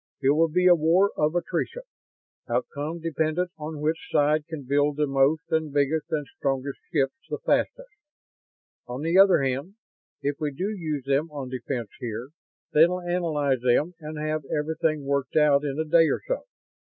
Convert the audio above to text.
It will be a war of attrition, outcome dependent on which side can build the most and biggest and strongest ships the fastest. On the other hand, if we do use 'em on defense here, they'll analyze 'em and have everything worked out in a day or so.